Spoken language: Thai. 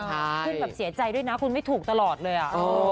คุณแบบเสียใจด้วยนะคุณไม่ถูกตลอดเลย